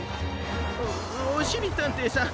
おおしりたんていさん